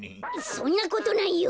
そんなことないよ。